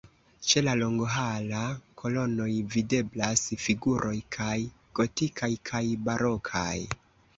Ĉe la longhala kolonoj videblas figuroj kaj gotikaj kaj barokaj.